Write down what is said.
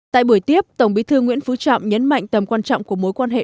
tại buổi tiếp tổng bí thư nguyễn phú trọng nhấn mạnh tầm quan trọng của mối quan hệ